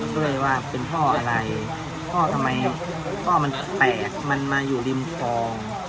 ด้วยว่าเป็นพ่ออะไรพ่อทำไมพ่อมันแตกมันมาอยู่ริมคลอง